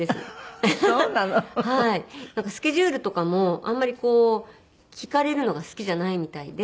スケジュールとかもあんまりこう聞かれるのが好きじゃないみたいで。